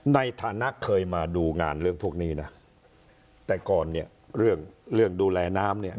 ในฐานะเคยมาดูงานเรื่องพวกนี้นะแต่ก่อนเนี่ยเรื่องเรื่องดูแลน้ำเนี่ย